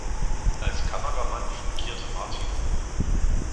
Als Kameramann fungierte Martin Ruhe.